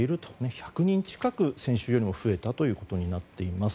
１００人近く先週よりも増えたということになっています。